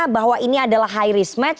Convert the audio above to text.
bahwa ini adalah high risk match